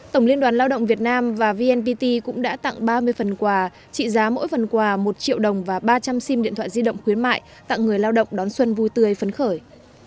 tổng liên đoàn lao động việt nam và vnpt cũng đã tặng ba mươi phần quà trị giá mỗi phần quà một triệu đồng và ba trăm linh sim điện thoại di động khuyến mại tặng người lao động đón xuân vui tươi phấn khởi